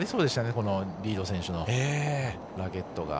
このリード選手のラケットが。